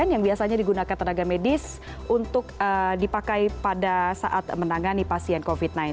yang biasanya digunakan tenaga medis untuk dipakai pada saat menangani pasien covid sembilan belas